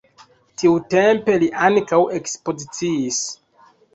Tiutempe li ankaŭ ekspoziciis.